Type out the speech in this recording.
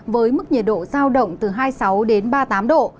với mức nhiệt độ giao động từ hai mươi sáu đến ba mươi tám độ